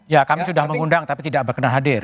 ya kami sudah mengundang tapi tidak berkenan hadir